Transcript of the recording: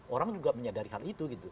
orang juga menyadari hal itu gitu